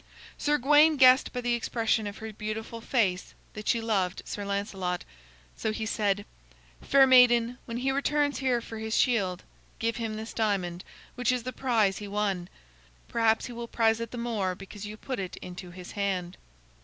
Sir Gawain guessed by the expression of her beautiful face that she loved Sir Lancelot. So he said: "Fair maiden, when he returns here for his shield, give him this diamond, which is the prize he won. Perhaps he will prize it the more because you put it into his hand."